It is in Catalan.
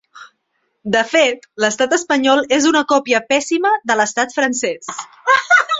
De fet, l’estat espanyol és una còpia pèssima de l’estat francès.